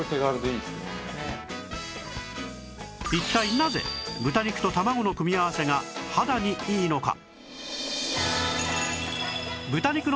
一体なぜ豚肉と卵の組み合わせが肌にいいのか？